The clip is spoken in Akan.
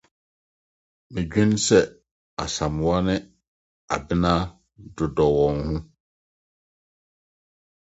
Medwene sɛ Asamoa ne Abena dɔdɔ wɔn ho.